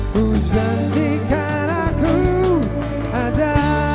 kujantikan aku ada